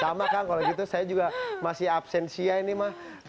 sama kang kalau gitu saya juga masih absensia ini mah